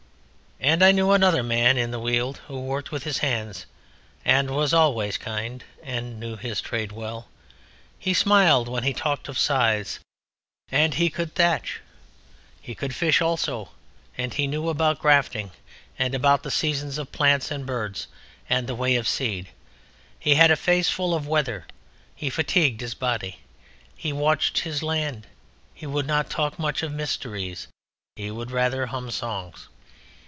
And I knew another man in the Weald who worked with his hands, and was always kind, and knew his trade well; he smiled when he talked of scythes, and he could thatch. He could fish also, and he knew about grafting, and about the seasons of plants, and birds, and the way of seed. He had a face full of weather, he fatigued his body, he watched his land. He would not talk much of mysteries, he would rather hum songs.